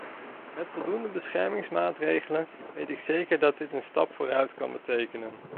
Met voldoende beschermingsmaatregelen weet ik zeker dat dit een stap vooruit kan betekenen.